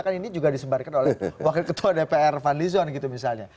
kan ini juga disebarkan oleh wakil ketua dpr fadli zon gitu misalnya